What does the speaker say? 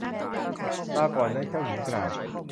ลาก่อนนะ เจ้าหญิงกล่าว